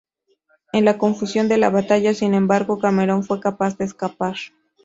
En la confusión de la batalla, sin embargo, Cameron fue capaz de escapar.